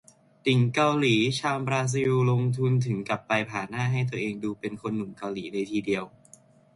ติ่งเกาหลีชาวบราซิล ลงทุนถึงกับไปผ่าหน้าให้ตัวเองดูเป็นหนุ่มเกาหลีเลยทีเดียว